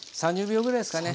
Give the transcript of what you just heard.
３０秒ぐらいで。